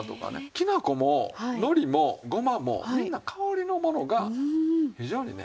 きな粉ものりもごまもみんな香りのものが非常にね